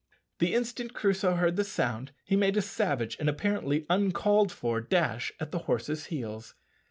The instant Crusoe heard the sound he made a savage and apparently uncalled for dash at the horse's heels.